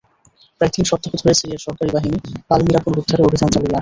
প্রায় তিন সপ্তাহ ধরে সিরিয়ার সরকারি বাহিনী পালমিরা পুনরুদ্ধারে অভিযান চালিয়ে আসছিল।